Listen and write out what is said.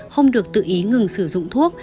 không được tự ý ngừng sử dụng thuốc